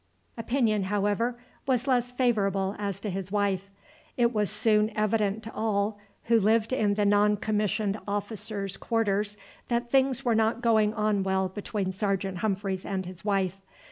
Opinion, however, was less favourable as to his wife. It was soon evident to all who lived in the non commissioned officers' quarters that things were not going on well between Sergeant Humphreys and his wife.